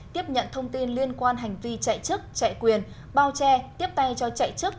tiếp nhận thông tin liên quan hành vi chạy chức chạy quyền bao che tiếp tay cho chạy chức